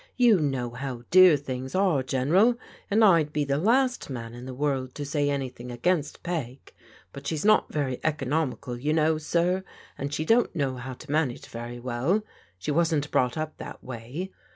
You know how dear things are, CJeneral, and I'd be the last man in the world to say anything against Peg: but she's not very economical, you know, sir, and she don't know how to manage very well; she wasn't brought up that way.